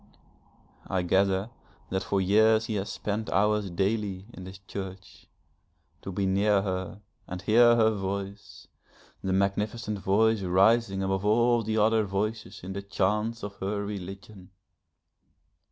I gather that for years he has spent hours daily in this church, to be near her, and hear her voice, the magnificent voice rising above all the other voices in the chants of her religion.